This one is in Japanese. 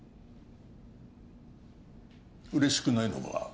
嬉しくないのか？